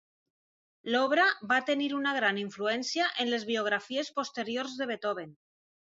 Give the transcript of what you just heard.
L'obra va tenir una gran influència en les biografies posteriors de Beethoven.